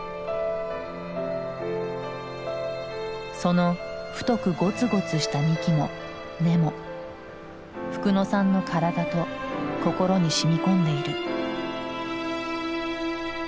その太くゴツゴツした幹も根もフクノさんの体と心にしみこんでいる。